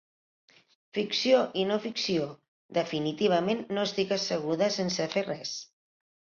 Ficció i no-ficció... Definitivament no estic asseguda sense fer res.